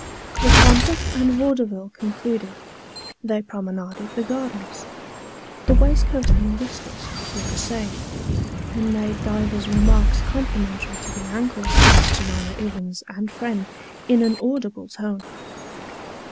The concert and vaudeville concluded, they promenaded the gardens. The waistcoat and whiskers did the same ; and made divers remarks complimentary to the ankles of Miss J'mima Ivins and friend, in an audible tone.